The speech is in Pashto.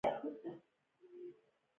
ایا ستاسو تګلاره روښانه ده؟